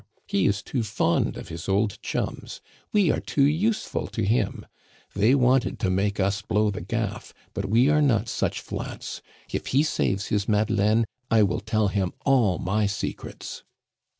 He is too fond of his old chums! We are too useful to him! They wanted to make us blow the gaff, but we are not such flats! If he saves his Madeleine, I will tell him all my secrets."